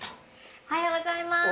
おはようございます。